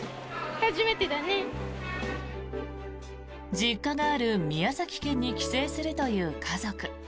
実家がある宮崎県に帰省するという家族。